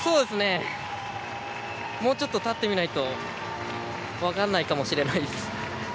もうちょっと経ってみないと分からないかもしれないです。